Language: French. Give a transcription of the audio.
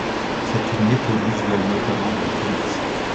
C'est une méthode usuelle notamment dans le commerce.